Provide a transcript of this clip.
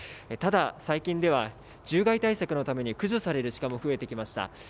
ただ、最近では獣害対策のために駆除される鹿も増えてきました。